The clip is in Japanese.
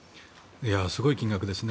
すごい金額ですね。